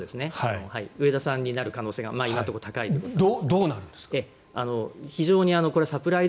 植田さんになる可能性が今のところ高いと思います。